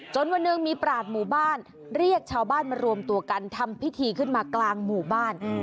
วันหนึ่งมีปราศหมู่บ้านเรียกชาวบ้านมารวมตัวกันทำพิธีขึ้นมากลางหมู่บ้าน